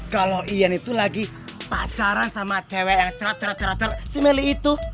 kalau ian itu lagi pacaran sama cewek yang terat terat terat terat si meli itu